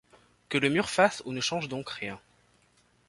Que le mur fasse ou ne change donc rien.